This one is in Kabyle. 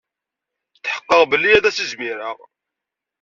Tḥeqqqeɣ belli ad as-izmireɣ.